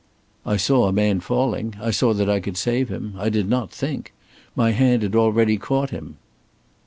"I saw a man falling. I saw that I could save him. I did not think. My hand had already caught him."